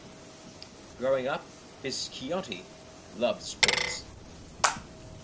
Growing up, Bisciotti loved sports.